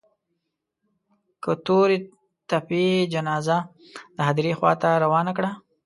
که تورې تپې جنازه د هديرې خوا ته روانه کړه.